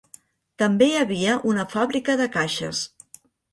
També hi havia una fàbrica de caixes.